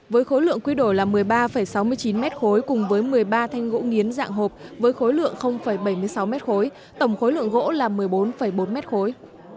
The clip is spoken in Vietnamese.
với khối lượng quy đổi là một mươi ba sáu mươi chín mét khối cùng với một mươi ba thanh gỗ nghiến dạng hộp với khối lượng bảy mươi sáu mét khối tổng khối lượng gỗ là một mươi bốn bốn mét khối